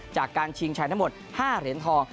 จากการชิงชัยทั้งหมด๕เหรียญทอง